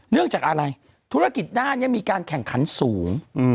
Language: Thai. เรื่องจากอะไรธุรกิจด้านนี้มีการแข่งขันสูง